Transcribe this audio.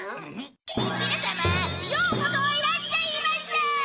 みなさまようこそいらっしゃいました！